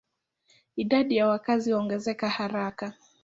Idadi ya wakazi huongezeka haraka.